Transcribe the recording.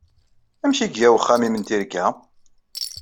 Amek ay iga uxxam-nnem n tirga?